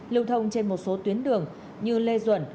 lưu thông trên một số tuyến đường như lê duẩn